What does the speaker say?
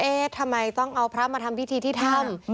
ทำไมต้องเอาพระมาทำพิธีที่ถ้ำ